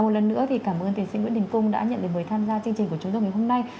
một lần nữa thì cảm ơn tiến sĩ nguyễn đình cung đã nhận lời mời tham gia chương trình của chúng tôi ngày hôm nay